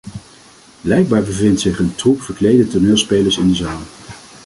Blijkbaar bevindt zich een troep verklede toneelspelers in de zaal.